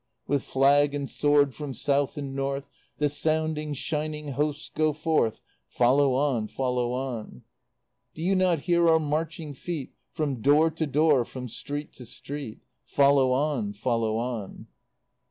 With flag and sword from south and north, The sounding, shining hosts go forth. Follow on! Follow on! Do you not bear our marching feet, From door to door, from street to street? Follow on! Follow on!